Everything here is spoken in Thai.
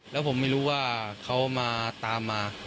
แล้วผมไม่รู้ว่าเขามาตามมา